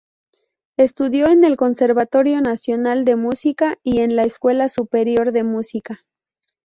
Estudió en el Conservatorio Nacional de Música y en la Escuela Superior de Música.